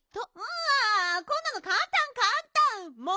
あこんなのかんたんかんたん。